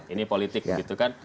ini politik gitu kan